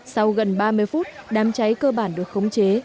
sau gần ba mươi phút đám cháy cơ bản được khống chế